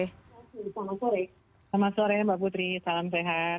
selamat sore mbak putri salam sehat